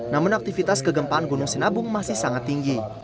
namun aktivitas kegempaan gunung sinabung masih sangat tinggi